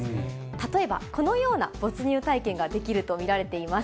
例えばこのような没入体験ができると見られています。